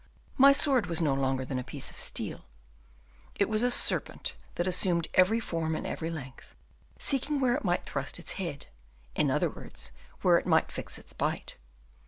My sword was no longer than a piece of steel; it was a serpent that assumed every form and every length, seeking where it might thrust its head; in other words, where it might fix its bite.